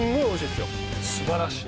すばらしい